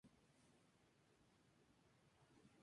Perteneció al partido La Casa Judía.